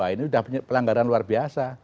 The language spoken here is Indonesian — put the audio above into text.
ini sudah pelanggaran luar biasa